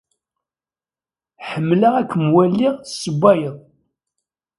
Ḥemmleɣ ad kem-waliɣ tessewwayed.